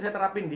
saya terapin di